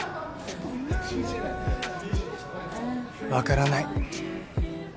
分からない。